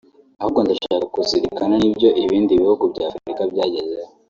ahubwo ndashaka kuzirikana n’ibyo ibindi bihugu bya Afurika byagezeho”